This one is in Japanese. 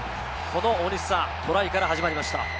大西さん、このトライから始まりました。